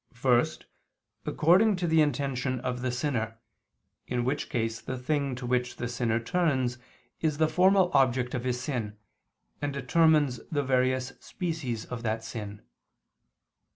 First, according to the intention of the sinner, in which case the thing to which the sinner turns is the formal object of his sin, and determines the various species of that sin.